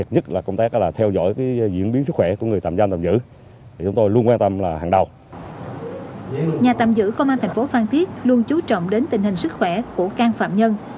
nhà tạm giữ công an thành phố phan thiết luôn chú trọng đến tình hình sức khỏe của can phạm nhân